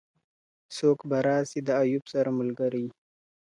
څوك به راسي د ايوب سره ملګري.